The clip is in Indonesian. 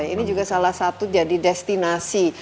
ini juga salah satu jadi destinasi